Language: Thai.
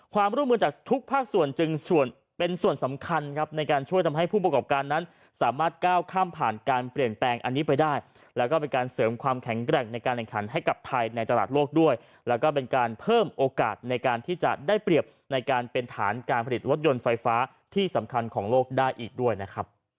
ความร่วมมือจากทุกภาคส่วนจึงเป็นส่วนสำคัญครับในการช่วยทำให้ผู้ประกอบการนั้นสามารถก้าวข้ามผ่านการเปลี่ยนแปลงอันนี้ไปได้แล้วก็เป็นการเสริมความแข็งแกร่งในการแข่งขันให้กับไทยในตลาดโลกด้วยแล้วก็เป็นการเพิ่มโอกาสในการที่จะได้เปรียบในการเป็นฐานการผลิตรถยนต์ไฟฟ้าที่สำคัญของโลกได้อีกด้วยนะครับ